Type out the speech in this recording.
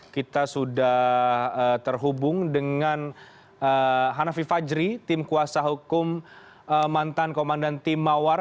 kita sudah terhubung dengan hanafi fajri tim kuasa hukum mantan komandan tim mawar